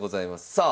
さあ。